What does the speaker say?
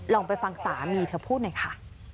ลองไปฟังสามีเธอพูดหน่อยค่ะ